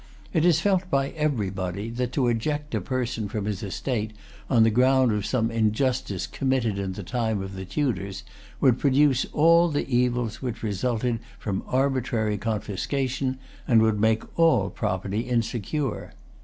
It is felt by everybody, that to eject a person from his estate on the ground of some injustice committed in the time of the Tudors would produce all the evils which result from arbitrary confiscation, and would make all property insecure.